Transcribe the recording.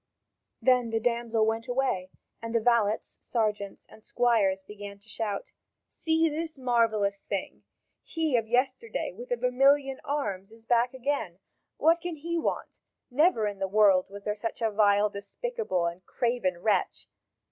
Then the damsel went away, and the valets, sergeants, and squires begin to shout: "See this marvellous thing! He of yesterday with the vermilion arms is back again. What can he want? Never in the world was there such a vile, despicable, and craven wretch!